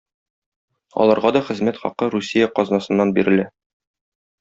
Аларга да хезмәт хакы Русия казнасыннан бирелә.